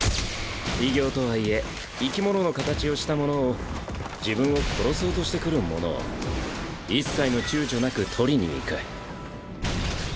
異形とはいえ生き物の形をしたものを自分を殺そうとしてくるものを一切の躊躇なく殺りに行く。ドゴッ！